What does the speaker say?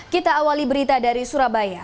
kita awali berita dari surabaya